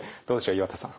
岩田さん。